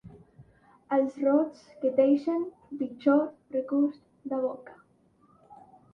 Els rots que deixen pitjor regust de boca.